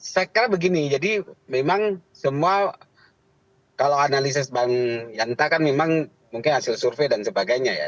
saya kira begini jadi memang semua kalau analisis bang yanta kan memang mungkin hasil survei dan sebagainya ya